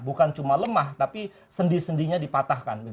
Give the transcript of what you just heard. bukan cuma lemah tapi sendi sendinya dipatahkan